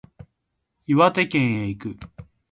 岩手県へ行く